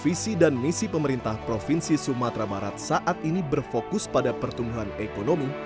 visi dan misi pemerintah provinsi sumatera barat saat ini berfokus pada pertumbuhan ekonomi